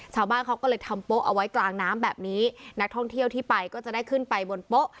ชาวบ้านเขาก็เลยทำโป๊ะเอาไว้กลางน้ำแบบนี้นักท่องเที่ยวที่ไปก็จะได้ขึ้นไปบนโป๊ะ